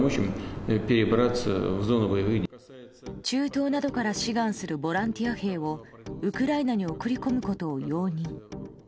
中東などから志願するボランティア兵をウクライナに送り込むことを容認。